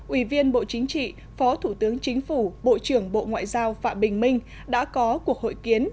ủy viên bộ chính trị phó thủ tướng chính phủ bộ trưởng bộ ngoại giao phạm bình minh đã có cuộc hội kiến